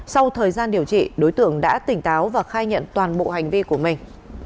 sau thời gian điều trị đối tượng đã tỉnh táo và khai nhận toàn bộ hành vi của mình